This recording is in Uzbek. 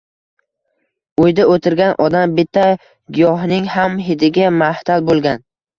Uyda oʻtirgan odam bitta giyohning ham hidiga mahtal boʻlgan.